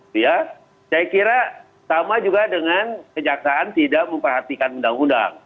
saya kira sama juga dengan kejaksaan tidak memperhatikan undang undang